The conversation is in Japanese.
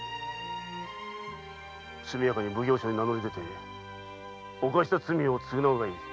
すみやかに奉行所に名乗り出て犯した罪を償うがいい。